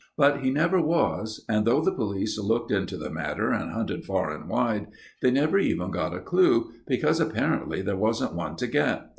But he never was; and though the police looked into the matter, and hunted far and wide, they never even got a clue, because apparently there wasn't one to get.